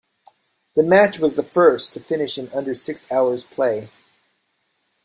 The match was the first to finish in under six hours' play.